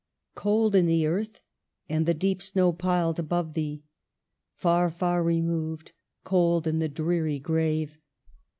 " Cold in the earth — and the deep snow piled above thee, Far, far removed, cold in the dreary grave